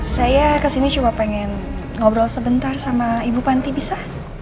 saya kesini cuma pengen ngobrol sebentar sama ibu panti bisa